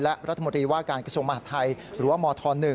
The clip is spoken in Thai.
และรัฐมนตรีว่าการกระทรวงมหาดไทยหรือว่ามธ๑